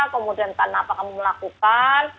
kemudian kenapa kamu melakukan